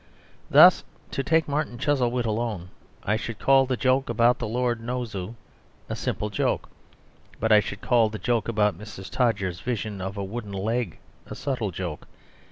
Thus, to take "Martin Chuzzlewit" alone, I should call the joke about the Lord No zoo a simple joke: but I should call the joke about Mrs. Todgers's vision of a wooden leg a subtle joke.